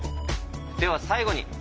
では最後に。